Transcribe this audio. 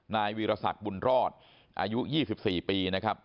นายวีรศักดิ์บุญรอดอายุ๒๔ปีนะครับ